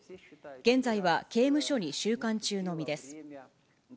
現在は刑務所に収監中の身です。